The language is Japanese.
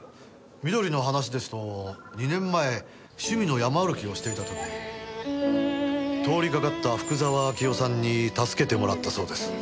美登里の話ですと２年前趣味の山歩きをしていた時通りがかった福沢明夫さんに助けてもらったそうです。